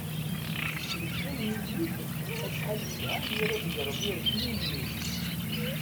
Smektayen-iyi-d acḥal yelha mi ara tegreḍ irebbi i mmi-m.